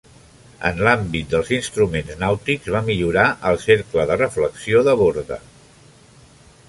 En l'àmbit dels instruments nàutics, va millorar el cercle de reflexió de Borda.